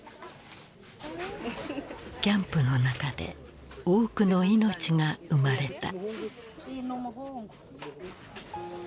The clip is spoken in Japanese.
キャンプの中で多くの命が生まれた。